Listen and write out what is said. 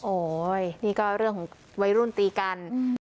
โอ๊ยนี่ก็เรื่องไว้รุนตีกัน